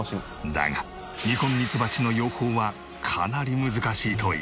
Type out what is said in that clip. だがニホンミツバチの養蜂はかなり難しいという。